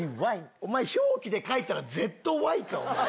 お前、表記で書いたら、ＺＹか？